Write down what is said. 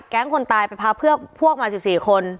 คนตายไปพาพวกมา๑๔คน